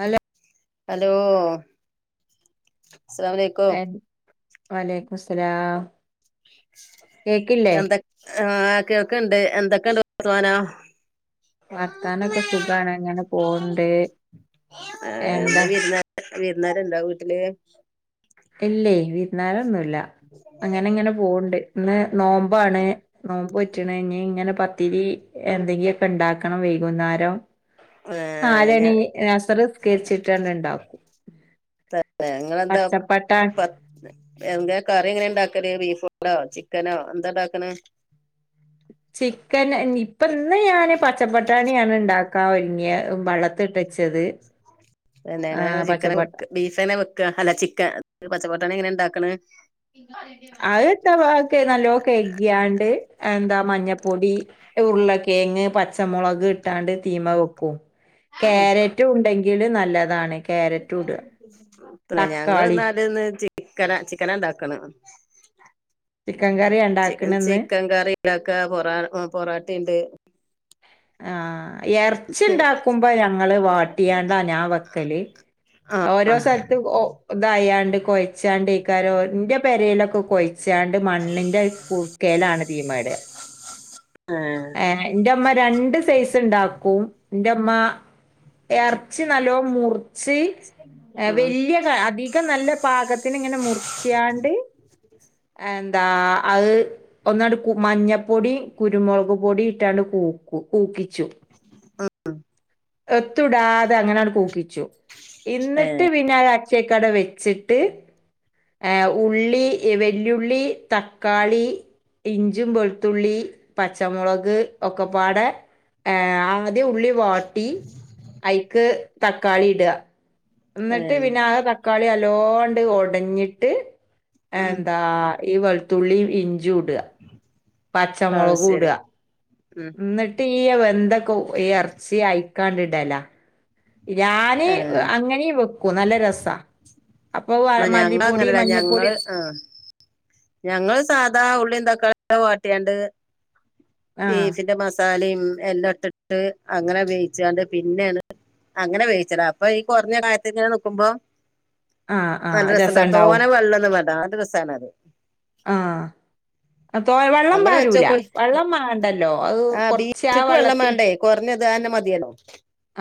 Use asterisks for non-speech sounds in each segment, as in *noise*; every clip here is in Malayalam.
ഹലോ ഹലോ അസ്സലാമലൈക്കും വലൈക്കും സ്ലാം എന്തൊ ആഹ് കേൾക്കുണ്ട് എന്തൊക്കെയണ്ട് വർത്തമാനാ വർത്താനൊക്കെ സുഖാണ അങ്ങനെ പോണ്ട് എന്താ വിരുന്നാര് ണ്ടൊ വീട്ടില് ഇല്ലേ വീരുന്നേരംന്നുല്ല അങ്ങനെ ഇങ്ങനെ പോവണ്ട് ഇന്ന് നോമ്പാണ് നോമ്പ് വറ്റണ ഇഞ്ഞിങ്ങനെ പത്തിരി എന്തെങ്കിലുംക്കെ ഉണ്ടാക്കണം വൈകുന്നേരം ഏഹ് ഞാ ആരണി അസറ്സ്കരിച്ചിട്ട് തന്നെ ഉണ്ടാക്കും ഞങ്ങളെന്താ പച്ചപ്പട്ടാ പ എന്താ കറി എങ്ങനെ ഉണ്ടാക്കല് ബീഫോ ചിക്കനോ എന്താ ഉണ്ടാക്കണ ചിക്കൻ ഇപ്പ ഇന്ന് ഞാന് പച്ചപ്പട്ടാണിയാണ് ഉണ്ടാക്കാ ഒരുങ്ങിയ വള്ള ത്തിട്ടച്ചത് ന്തെ എങ്ങനെ ചിക്കന വെ ബീഫ്ന്നെ വെക്ക അല്ല ചിക്കൻ പച്ചപ്പട്ടണ എങ്ങനെ ഉണ്ടാക്കണ് *inaudible* കെഗിയാണ്ട് എന്താ മഞ്ഞപ്പൊടി ഉരുള്ള കേങ്ങ് പച്ചമുളക് ഇട്ടാണ്ട് തീമ വെക്കും കാരറ്റ് ഉണ്ടെങ്കില് നല്ലതാണ് ക്യാരറ്റും ഇടുക ഞങ്ങൾ തക്കാളി ന്നാൽന്ന് ച്ചി ചിക്കന ചിക്കനണ്ടാക്കന് ചിക്കൻ കറി ഉണ്ടാക്കണന്ന് ചിക്കൻ കറി ക്കാ പൊറ പൊറാട്ടിയുണ്ട് ആഹ് എറച്ചി പിന്നെ ഉണ്ടാക്കുമ്പോ ഞങ്ങള് വാട്ടിയാണ്ട ഞാൻ വെക്കല് ആഹ് ഓരോ സ്ഥലത്തും ഒ ഇതായാണ്ട് കൊഴച്ചാണ്ടേയ്ക്കാരം ഇന്റെ പെരേലൊക്കെ കൊഴ് ച്ചാണ്ട് മണ്ണിന്റെ കുട്ക്കേലാണ് തീമെട ആഹ് ഏഹ് ഇന്റെമ്മ രണ്ട് സൈസ് ഇണ്ടാക്കും ഇന്റെമ്മ എർച്ചി നല്ലോം മുറിച്ച് ആഹ് വല്യ അധികം നല്ല പാകത്തിന് ഇങ്ങനെ മുറിച്ചിആണ്ട് *inaudible* അതെന്താ അത് ഒന്നാണ്ട് കു മഞ്ഞപ്പൊടീം കുരുമുളകും പൊടിയിട്ടാണ് കൂക്കും കൂക്കിച്ചും *unintelligible* എത്തുടാതെ അങ്ങനാണ്ട് കൂക്കിച്ചു ഇന്നിട്ട് ഏഹ് പിന്നെ അത് അച്ചേക്കവട വെച്ചിട്ട് ഏഹ് ഉള്ളി എ വല്യുഉള്ളി തക്കാളി ഇഞ്ചിം വെളുത്തുള്ളി പച്ചമുളക് ഒക്കെ പാടെ ഏഹ് ആദ്യം ഉള്ളി വാട്ടി അയ്ക്ക് തക്കാളി ഇടാ ഇന്നട്ട് ഏഹ് പിന്നെ ആ തക്കാളി നല്ലോണ്ട് ഒടഞ്ഞിട്ട് ഉം എന്താ ഈ വെളുത്തുള്ളിം ഇഞ്ചീം ഇടാ ആ ശരി ഉം ഇന്നട്ട് ഈ വെന്ത കൊ എർച്ചി അയ്ക്കാണ്ടിടലാ ഞാന് ഏഹ് അങ്ങനെ വെക്കും നല്ല രസാ അപ്പൊ വ ന്നാ ഞങ്ങ മല്ലിപ്പൊടി അങ്ങനല്ല മഞ്ഞപ്പൊടി ഞങ്ങള് ആഹ് ഞങ്ങള് സാധാ ഉള്ളിം തക്കാളി ഒക്കെ വാട്ടിങ്ങാണ്ട് ആ ബീഫിന്റെ മസാലിം എല്ലാം ഇട്ടിട്ട് അങ്ങനെ വേവിച്ചിങ്ങാണ്ട് പിന്നേണ് അങ്ങനെ വേവിച്ചലാ അപ്പൊ ഈ കൊറഞ്ഞ കായത്തി ഇങ്ങനെ നിക്കുമ്പോ ആഹ് നല്ല ആഹ് രസംണ്ട് രസണ്ടാവും. തോനെ വെള്ളൊന്നും വേണ്ട നല്ല രസാണ് ആഹ് അ തോ വെള്ളം അങ്ങനെ പാരൂല വെച്ചോക്കോളി വെള്ളം മാണ്ടല്ലോ അത് ആഹ് കൊറച്ച് ആ ബീഫ്ക്ക് വെള്ളം വെള്ളത്തില് വേണ്ടേ കൊറഞ്ഞത് അതന്നെ മതിയല്ലോ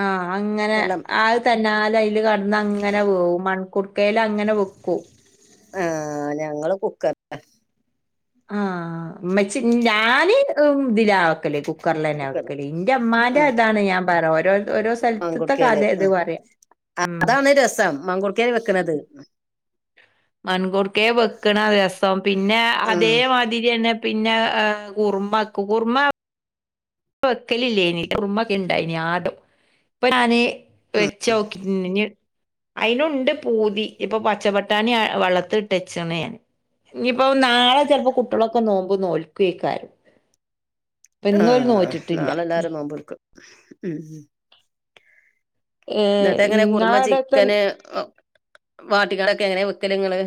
ആഹ് അങ്ങനെ വെള്ളം അഹ് തന്നാലെ അയില് കെടന്ന് അങ്ങനെ വേവും മൺകുട്ക്കേൽ അങ്ങനെ വെക്കും ആഹ് ഞങ്ങള് കുക്കർ ആഹ് ഉമ്മച്ചി ഞാന് ഇതിലാ വെ ക്കല് കുക്കറിലന്നെയാ കുക്കർ വെക്കല് ഇന്റെ ഇമ്മാന്റെ ആഹ് അതാണ് ഞാൻ പറയാ ഓരോ ഓരോ സ്ഥലത്ത്ത്തെ കഥ മാങ്കുട്ക്കേല് ഇത് ആഹ് പറയ ഉം അതാണ് രസം മൺകൂ ട്ക്കേല് വെക്ക്ണത് മൺകുടുക്കേ വെക്ക്ണാ രസം പിന്നെ ആഹ് അതേമാതിരിന്നെ പിന്നെ എ കുർമ്മാക്കും കുർമ്മ ഇപ്പ വെക്കലില്ലേനി കൂർമ്മക്കൊ ഇണ്ടായ്നി ആദ്യം ഇപ്പൊ ഞാന് വെച്ചോക്കി ഇഞ് ഇഞ് അയിനും ഉണ്ട് പൂതി ഇപ്പൊ പച്ചപ്പട്ടാണി ആ വെള്ളത്തില് ഇട്ട് വെച്ച്ണ് ഞാന് ഇഞ്ഞിപ്പൊ നാളെ ചെൽപ്പോ കുട്ട്യളൊക്കെ നോമ്പ് നോൽക്കൊയ്ക്കാരം ഇപ്പ ഇന്നോല് നോൽ നാളെ എല്ലാരും നോമ്പെടുക്കും ഉം ഏഹ് എന്നിട്ട് എങ്ങനാ കുറുമ ഇങ്ങളടത്തെ ചിക്കന് വാട്ടിക്കാണ്ട് ഒക്കെ എങ്ങനെയാ വെക്കല് ഇങ്ങള്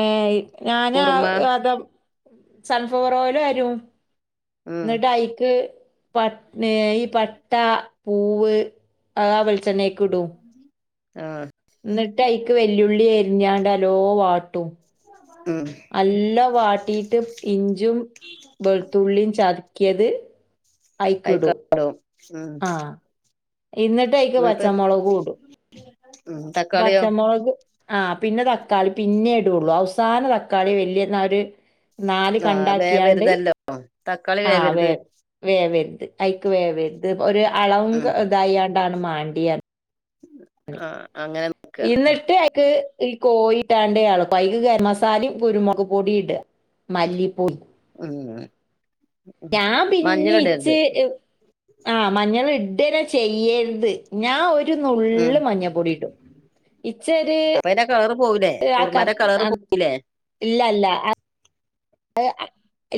ഏ ഞാൻ ആ കുറുമ അതാ സൺഫ്ലവർ ഓയിൽ വരും ഉം എന്നിട്ട് അയിക്ക് പട് ഈ പട്ട പൂവ് അത് ആ വെളിച്ചെണ്ണേക്ക് ഇടും ആഹ് എന്നിട്ട് അയ്ക്ക് വെല്ലുള്ളി അരിഞ്ഞാണ്ട് നല്ലോണം വാട്ടും ഉം നല്ല വാട്ടീയിട്ട് ഇഞ്ചും വെളുത്തുള്ളിയും ചതക്കിയത് അയ്ക്കിടും ആഹ് ഉം എന്നിട്ട് അയിക്ക് എന്നിട്ട് പച്ചമുളകും ഉം തക്കാളിയോ മുളക് ആ പിന്നെ തക്കാളി പിന്നേ ഇടൂള്ളൂ അവസാന തക്കാളി വല്യ എന്നാ ഒര് നാല് ആഹ് കണ്ടാക്കിയാണ്ട് വേവരുതല്ലോ തക്കാളി ആ വേ വേവരുത് വേവരുത് അയ്ക്ക് വേവരുത് ഒര് അളവും ഉം ഇതായാണ്ടാണ് മാണ്ടിയേ ആഹ് അങ്ങനെ എന്നിട്ട് അയ്ക്ക് ഈ കോയിട്ടാണ്ട് എളക്കുക അയിക്ക് ഗരം മസാലയും കുരുമുക് പൊടിയും ഇടുക മല്ലിപ്പൊടിയും ഉം ഉം ഞാൻ പിന്നെ മഞ്ഞള് ഇച്ച് ഇടരുത് ആ മഞ്ഞൾ ഇടന്നെ ചെയ്യരുത് ഞാൻ ഒരു ഉം നുള്ള് മഞ്ഞപ്പൊടി ഇടും ഇച്ചരു അപ്പൊ അയിന്റെ കളറ് പോവൂലേ ആ കറ കുറുമന്റെ കളറ് പോവൂലേ ഇല്ല ഇല്ല അത്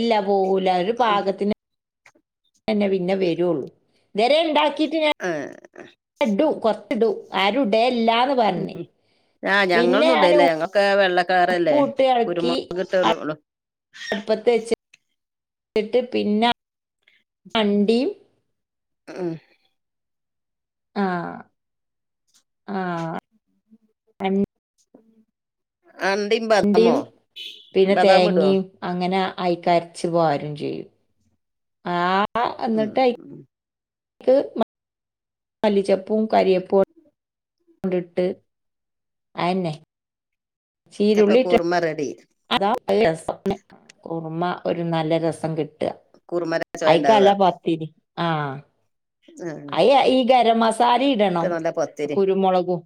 ഇല്ലാ പോവൂല ഒരു പാകത്തിന് തന്നെ പിന്നെ വരൂള്ളൂ ഇവരെ ഉണ്ടാക്കിട്ട് ഞാൻ ആഹ് ഇടും കൊറച്ചിടും അരും ഇടാൻ ഇല്ലാ ഉം ആഹ് ഞങ്ങളൊന്നും ഇടൂല്ല ഞങ്ങള് ഒക്കെ വെള്ളക്കളറല്ലേ ഉപ്പും ഇട്ട് ഇളക്കി കുരുമുളക് *unintelligible* അടുപ്പത്ത് വെച്ചിട്ട് പിന്നെ വണ്ടിയും ഉം ആഹ് ആഹ് അണ്ടിയും ബദാമുവോ പിന്നെ ബദാമ് ഇടുവോ തേങ്ങയും അങ്ങനെ അയിക്കരച്ച് വാരുവേയും ചെയ്യും ആഹ് ഉം *unintelligible* മലിച പൂവും കരിയപ്പൂവും ഇട്ട് അതന്നെ ചീരൂല്ലി ഇട്ട് കുറുമ്മ റെഡി അതാ രസ കുറമ ഒരു നല്ല രസം കിട്ടും കുറുമര ചൊയ ഉണ്ടാവുക അയിക്കല്ല പത്തിരി ആഹ് ആഹ് അയ ഈ ഗരമ സാല ഒക്കെ ഇടണം നല്ല പത്തിരി കുരുമുളകും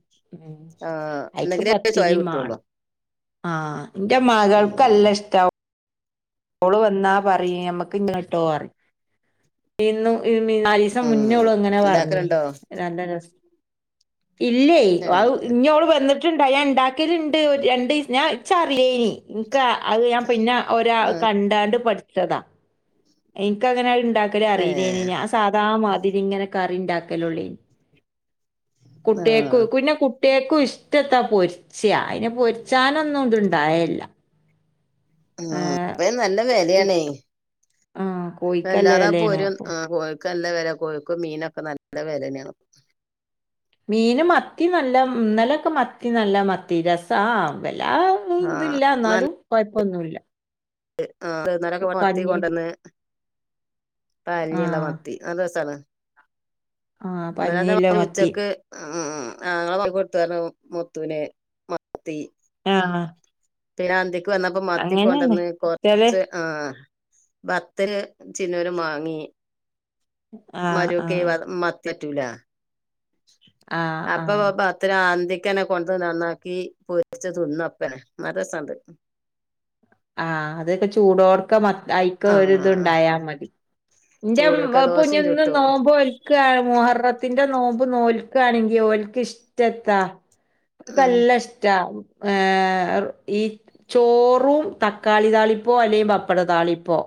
ആഹ് ഐക്ക് എന്നെങ്കിലേ ചൊയ പത്തിരിയും കിട്ടുള്ളൂ മാണം ആഹ് എന്റെ മകൾക്ക് ഉം അല്ല ഇഷ്ടം ഓള് വന്നാ പറയും നമ്മക്ക് *unintelligible* *unintelligible* മുന്നേ ഉം ഓള് ഇങ്ങനെ പറഞ്ഞേ ഉണ്ടാക്കലുണ്ടോ രണ്ട് ദിവസം ഇല്ലേ അത് ഏഹ് ഇനി ഓള് വന്നിട്ടുണ്ട്‌ ഞാൻ ഉണ്ടാക്കിയലുണ്ട് രണ്ട് ഞാൻ പച്ചറിയേനി ഇൻക്ക് അത് ഞാൻ പിന്നെ ഒരാ ആഹ് കണ്ടാണ്ട് പഠിച്ചതാ ഇൻക്ക അങ്ങനെ ഉണ്ടാക്കല അറിയില്ലേന് ഏഹ് ഞാൻ സാദാ മാതിരി ഇങ്ങനെ കെറി ഉണ്ടാക്കലള്ളേനീ കുട്ടിയക്ക് ആഹ് കുന കു ഒറ്റേക്കും ഇഷ്ടത്താ പൊരിച്ചയ അതിെ പൊരിച്ചാനൊന്നും ഇത്ണ്ടായല്ല ആഹ് ഇപ്പയ്ൻ നല്ല വലയാണേ ആഹ് കോഴിക്കല്ല വല്ലാതാ വെലേണ്. പോരും അപ്പൊ കോഴക്ക് നല്ല വില കോഴക്ക് മീനൊക്കെ നല്ല വിലനെയാണ് മീൻ മത്തി നല്ല ഇന്നലൊക്കെ മത്തി നല്ല മത്തി രസം ആഹ് വല്ലാ ആഹ് ഇതില്ല എന്നാലും കുഴപ്പൊന്നുല്ല ആന്നരൊക്കെ മത്തി കൊണ്ടന്ന് പാലഞ്ഞുള്ള ആഹ് മത്തി നല്ലസാണ് ആഹ് പഞ്ഞിയില്ല ഇന്നലെതെമാരി മത്തി ഉച്ചക്ക് ആ ഞങ്ങളെ *unintelligible* മുത്തുന് മത്തി ആഹ് പിന്നെ അന്തിക്ക് വന്നപ്പ മത്തി അങ്ങനെന്നെ. കൊണ്ടന്ന് ച്ചാല് കൊറച്ച് ആഹ് ഭത്ത്ല് ചിന്നര് വാങ്ങി ആഹ് മരോക്കെ ആഹ് മത്ത്യറ്റൂല ആഹ് അപ്പൊ ആഹ് അത്ര അന്തിക്കനെ കൊണ്ട് നന്നാക്കി പൊരിച്ച തിന്നപ്പനെ മര രസുണ്ട് *inaudible* ആഹ് അതൊക്കെ ചൂടോർക്ക മ അയിക്ക ഒരു ആഹ് ഇത്ണ്ടായാ മതി ന്റെ ചൂടൊടുക്ക കുഞ്ഞ ദോശയും നിന്ന് ചുട്ടു നോമ്പോ ൽക്ക മുഹറത്തിന്റെ നോമ്പ് നോൽക്കയാണെങ്കി ഓൽക്ക് ഇഷ്ടത്താ ഉം അവക്ക്ല്ലാം ഇഷ്ടാ ഏഹ് ഈ ചോറും തക്കാളി താളിപ്പോ അല്ലെങ്കിൽ പപ്പട താളിപ്പോ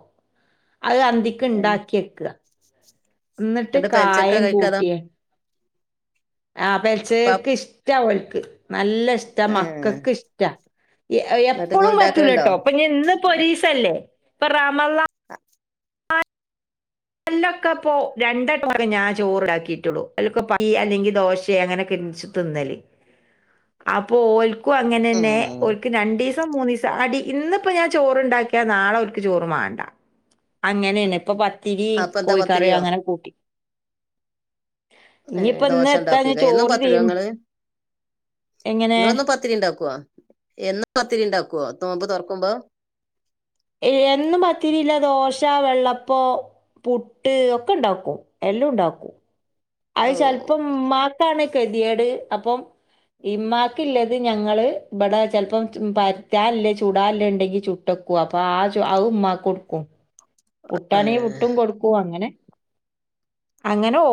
അത് അന്തിക്കണ്ടാക്കി വെക്ക ന്നട്ട് എന്നിട്ട് പെലച്ചക്ക കായം കഴിക്കാതെ കൂട്ടിയേ ആഹ് പ പെൽച്ചക്കക്ക് ഇഷ്ട ഒൽക്ക് നല്ല ഇഷ്ടാ ഏഹ് മക്കക്ക് ഇഷ്ട എ എന്നിട്ട് എപ്പഴും ഇങ്ങള് പറ്റൂല ഇണ്ടാക്കലുണ്ടോ ട്ടോ അപ്പൊ ഇഞ് ഇന്ന് പോരീസ തല്ലേ പ്പോ റമ അല്ലൊക്കെ ഇപ്പോ രണ്ടക്കെ ഞാ ചോറ്ടാക്കിയിട്ടുള്ളു അല്ലൊക്കെ പ അല്ലെങ്കിൽ ദോശ അങ്ങനെയൊക്കെ തിന്നല് അപ്പൊ ഓൽക്കും ഉം അങ്ങനന്നെ ഓൽക്ക് രണ്ടീ - ണ്ടീസൊ മൂന്നസം അടി ഇന്നിപ്പോ ഞാൻ ചോറുണ്ടാക്കിയാ നാളെ ഓർക് ചോറ് മാണ്ട അങ്ങനെയന്ന ഇപ്പൊ പത്തിരി അപ്പൊ എന്താ കോഴിക്കറി പത്തിരിയോ അങ്ങനെ കൂട്ടി ഏയ് ഇനിയിപ്പോ ദോശ ഇന്ന് എത്താ ഞാൻ ഉണ്ടാക്കക്ക എന്നും ചോറ് പത്തിട ചെയ്യും ങ്ങള് എങ്ങനെ ങ്ങളൊന്നും ത്തിരി ഉണ്ടാക്കുവോ എന്നും പത്തിരി ഉണ്ടാക്കുവോ നോമ്പ് തോറക്കുമ്പോ എന്നും പത്തിരില്ല ദോശ വെള്ളപ്പോ പുട്ട് ഒക്കെ ണ്ടാക്കും എല്ലാം ഉണ്ടാക്കും അയ് ഓഹ് ചെലപ്പം മ്മാക്കാണ് കെതിയേട് അപ്പം ഇമ്മാക്കില്ല അത് ഞങ്ങള് വിടെ ചെലപ്പം പറ്റാല്ലേ ചൂടല്ലേ ഉണ്ടെങ്കിൽ ചുട്ടക്ക അപ്പ ആ ഉമ്മ കൊട്ക്കും പുട്ടാണെൽ ഏഹ് പുട്ടും കൊടുക്കും അങ്ങനെ അങ്ങനെ ഓ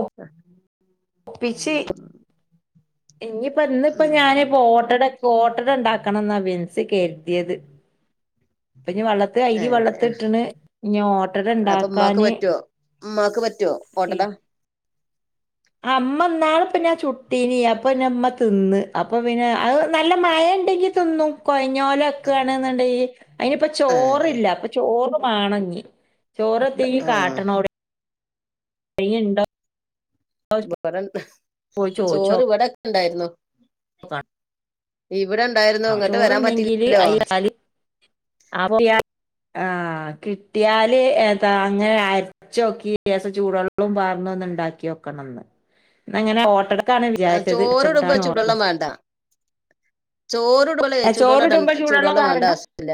പ്പിച്ചി ഇനിപ്പ ഇന്ന് ഇപ്പ ഉം ഞൻ ഓട്ടട ഓട്ടട ണ്ടാക്കണം എന്നാ വിൻസ് കെരുതിയത് അപ്പൊ ഇനി വെള്ളത്തി ഐരി ഏഹ് വെള്ളത്തി ഇട്ടിണ് ഇനീ ഓട്ടട ഉണ്ടാക്കാന് മ്മാക്ക് പറ്റോ ഓട്ടട ആഹ് മ്മ ന്നാൾ പിന്നെ ചുട്ടീന് അപ്പൊ പിന്നമ്മ തിന്ന് അപ്പൊ പിന്നെ അയ് നല്ല മയ ഉണ്ടെങ്ക തിന്നും കൊഴഞാല ക്കാണ് എന്നണ്ടെ അയിനിപ്പ ആ ചോറില്ല അപ്പൊ ചോറ് മാണഞ്ഞി ചോറത്തേഈ ആ കാട്ടണോടെ *unintelligible* ഉണ്ടോ *unintelligible* പോയി ചോദിച്ചു ചോറ് ഇവിടെക്കെ ഇണ്ടായിരുന്നു നോക്കണം ഇവിടെ ഇണ്ടായിരുന്നു ഇങ്ങോട്ട് വരാൻ പറ്റില്ലല്ലോ *unintelligible* ആഹ് കിട്ടിയാല് ഏതാ അങ്ങനെ ച്ചോക്കി ചൂടുെള്ളും പാർന്നന്ന് ഉണ്ടാക്കി വെക്കണംന്ന് ഇങ്ങനെ ഓട്ടട ക്കാണ് ആ, വിചാരിച്ചത് ചോറ് അച്ചപ്പട്ട ഇടുമ്പോ ഓർക്കും ചോറുടുവെള്ള ചൂടുവെള്ളണ്ട ചോറിടുമ്പോ ചൂടുവെള്ളം വേണ്ട പാറണ്ട ആവശ്യതില്ല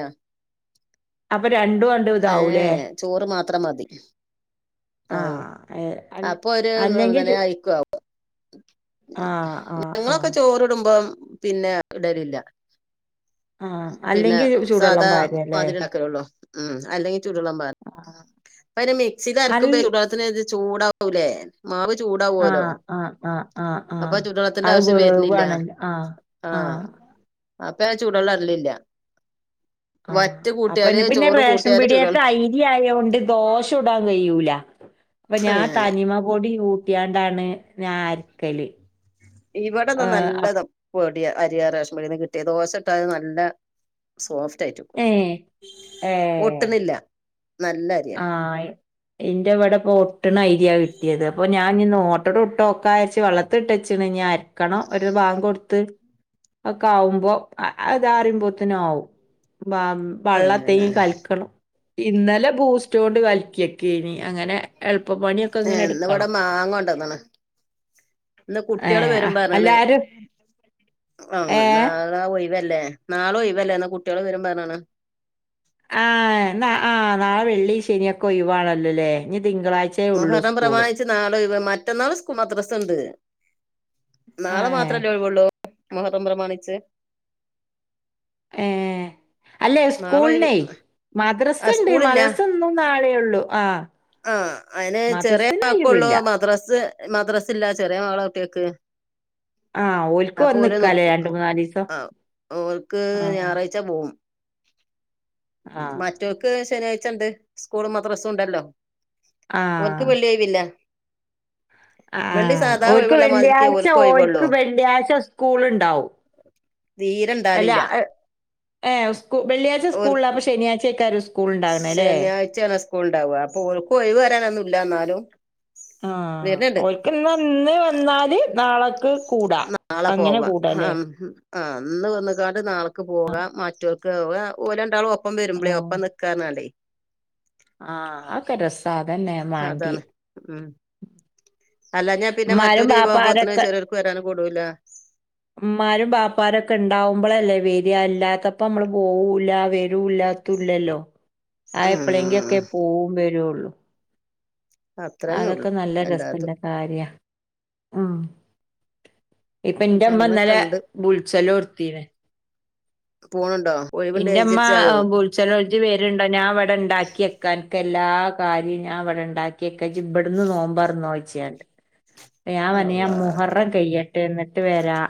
അപ്പൊ രണ്ടും കണ്ട് ഇതാവൂലേ ഏയ് ചോറ് മാത്രം മതി ആഹ് ഏഹ് അൽ അപ്പൊ അല്ലെങ്കിൽ ഒരുങ്ങനെ ചു അയിക്കു ആവും ആഹ് ആഹ് ആഹ് ഞങ്ങളൊക്കെ ചോറിടുമ്പോ പിന്നെ ഇടലില്ല ആഹ് പിന്നെ അല്ലെങ്കിൽ ചൂടുവെള്ളം സാധാ പാരല്ലേ? മാതിരി ണ്ടാക്കലൊള്ളോ ഉം അല്ലെങ്കിൽ ചുടുള്ളം പറ ആഹ് അന്നെ അൽ മിക്സിൽരക്കുമ്പ ചുടുവള്ളത്തിന് ചൂട ലെ മാവ് ചൂടാവലോ ആഹ് ആഹ് ആഹ് ആഹ് അപ്പൊ ആഹ് ആ ചുടുള്ളത്തിന്റെ അത് ആവശ്യം വരുന്നില്ല വേവാണല്ലോ ആഹ് ആഹ് അപ്പൊ ചൂടുള്ള അരിലല്ല ആഹ് അപ്പ പിന്നെ റേഷൻ പിടിയത്തെ ചൂടുവെള്ളം ആയി ഈ ആരിണ്ട് ദോശ ഉടാൻ കഴിയൂല അപ്പൊ ഞാൻ ഏഹ് തനിമ പോടി കൂട്ടിയാണ്ടാണ് ഞാ അരിക്കല് ഇവിടന്നാ നല്ലത പൊടിയ അരിയ റേഷൻപിടീന്ന് കിട്ടിയ ദോശ ട്ടാൽ അയ് നല്ല സോഫ്റ്റ് ആയിറ്റ്യ്ക്കും ഏഹ് ഏഹ് ഒട്ടുണില്ല നല്ല അരിയാ ആഹ് എന്റെ ഇവിടെപ്പൊ ഒട്ടണ ഐരിയ കിട്ടിയത് അപ്പൊ ഞാൻ നോട്ടോടെ ഇട്ടോ ഒക്കെ അരിച്ച് വെള്ളത്തി ഇട്ടച്ചിണ് അരക്കണം ഒരു ഭാഗയെടുത്ത് ഒക്കെ ആകുമ്പോ അയ്താ റിം പോത്തിനും ആകും ബ വെള്ള ത്തെ ഏഹ് കൽക്കണം ഇന്നലെ ബൂസ്റ്റ്ണ്ട് കലിക്കിട്ടെ ഏയ്‌ ന്ന് വിടെ എടുക്കണം മാങ്ങ കൊണ്ടന്ന്ണ് ഇന്ന് കുട്ടികളെ വരും ഏഹ് പറണ് എല്ലാരും ആഹ് ന ഏഹ് ഒഴവല്ലേ നാളെ ഓഴുവല്ലേ എന്നാ കുട്ടികൾ വരമ്പ പറഞ്ഞാണ് ആഹ് ആഹ് നാളെ വെള്ളി ശനിയൊക്കെ ഒയിവാണല്ലോല്ലേ ഇനി തിങ്കളാഴ്ച മുഹറം പ്രമാണിച്ച് നാളൊയിവ് മറ്റന്നാൾ സ്കു മദ്രസുണ്ട് നാളെ ഏഹ് മാത്രല്ലേ ഒഴിവള്ളൂ മുഹറം പ്രമാണിച്ച് ഏഹ് അല്ലെ നാളെ ഒഴിവ് സ്കൂള്നെ മദ്രസ ആഹ് ഉണ്ട് സ്കൂളില്ല മദ്രസ ഒന്നും നാളെയൊള്ളു ആഹ് ആഹ് അതിന് ചെറിയ വക്കള്ളൂ മദ്രാസ് മദ്രാസില്ല ചെറിയ മോളെ കുട്ടിയെക്ക് ആ ഓൽക്ക് അപ്പൊ വന്ന് ഓര് നിക്കാല്ലേ നോക്കും രണ്ട് മൂന്നാല് ദിവസം ആ ഓർക്ക് ആ ഞായറാഴ് ച്ച പോവും ആ മറ്റൊക്ക് ശനിയാഴ്ച ഇണ്ട് സ്കൂളും മദ്രസം ഉണ്ടല്ലോ ആ ഓൾക്ക് വെള്ളിയായ് പിന്നെ ആ വെള്ളി സാധാ ഓൽക്ക് ഒയിവ്ള്ള മാതിരിക്കേ വെള്ളിയാഴ്ച ഒരുക്ക് ഓൽക്ക് ഒയിവുള്ളൂ വെള്ളിയാഴ്ച സ്കൂൾ ഉണ്ടാവും ധീരൻ അല്ല ഏ സ് വെള്ളിയാഴ്ച സ്കൂള ഓൽക്ക് അപ്പൊ ശനിയാഴ്ചയക്ക ഒരു സ്കൂൾ ഉണ്ടാവണെല്ലേ ശനിയാഴ്ചയാണ് സ്കൂൾ ഉണ്ടാവുക അപ്പൊ ഓല്ക്ക് ഒയിവ് വരാനൊന്നും ഇല്ല എന്നാലും ആ വരുന്നുണ്ട് ഓൽക്ക് ഇന്ന ഇന്ന് വന്നാല് നാളെക്ക് നാളെ പോവാ ആഹ് ആഹ് ഇന്ന് വന്ന്ക്കാണ്ട് നാളക്ക് പോകാം മറ്റോർക്ക് ഓ ഓ ഓൽ രണ്ടാളും ഒപ്പം ആ വരുമ്പളേ ഒപ്പം നി ക്കാർഞ്ഞാണ്ടെ ആഹ് ആക്കെ രസാ അതന്നെ മാണ്ടിയെ അതാണ് ഉം അല്ലാഞ്ഞാ പിന്നെ ഇമ്മാരും മറ്റൊരു ലീവാകുമ്പോത്തിന് ബാപ്പാരൊക്കെ ചെലോർക്ക് വരാനും കൂടൂല ഇമ്മാരും ബാപ്പാരും ഒക്കെ ഉണ്ടാവുമ്പളല്ലേ വര്യ അല്ലാത്തപ്പമ്മള് പോവൂല്ല വരൂല്ല ത്തുല്ലല്ലോ അത് എപ്പളേങ്കി ഉം ഒക്കെ പോവും വരുള്ളൂ അത്രന്നെ ഉള്ളു അതൊക്കെ നല്ല രസല്ല എല്ലാതും കാര്യാ ഉം ഇപ്പൊ ഇന്റെ അപ്പൊ ഇമ്മ അങ്ങനൊക്കെ ഇന്നലെ ഉണ്ട് ബുൾച്ചലോർത്തിന് പോണ്‌ണ്ടോ ഇന്റെ ഇമ്മ ബു ച്ചാലൊ ഇജ്ജ് വെര്ണ്ടോ ഞാൻ ഇവടെ ഇണ്ടാക്കിയെക്കാ അൻക്ക് എല്ലാ കാര്യും ഞാൻ ഇവിടെണ്ടാ ക്ക്യേക്ക ഇജ്ജ് ഇബ്ട്ന്ന് നോമ്പാറന്നോയ്ച്ച്യാണ്ട് ഞാൻ പറഞ്ഞ് ഞാൻ അള്ളാ മുഹറം കയ്യട്ടെ ഇന്നട്ട് വരാ